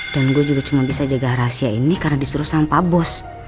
dan gue juga cuma bisa jaga rahasia ini karena disuruh sama pak bos